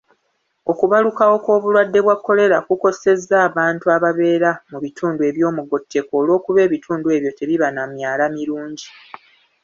Okubalukawo kw'obulwadde bwa kolera kukosezza abantu ababeera mu bitundu eby'omugotteko olw'okuba ebitundu ebyo tebiba na myala mirungi.